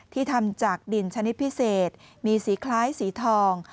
ทำจากดินชนิดพิเศษมีสีคล้ายสีทอง